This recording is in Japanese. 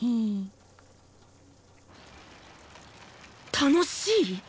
楽しい？